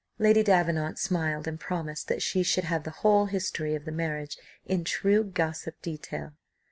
Lady Davenant smiled, and promised that she should have the whole history of the marriage in true gossip detail.